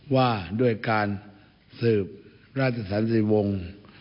ว่าด้วยการสืบราชสันติวงศ์